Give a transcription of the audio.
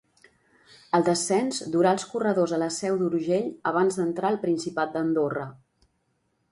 El descens durà els corredors a la Seu d'Urgell abans d'entrar al Principat d'Andorra.